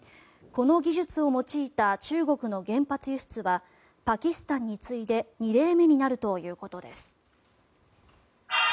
この技術を用いた中国の原発輸出はパキスタンに次いで２例目になるということです。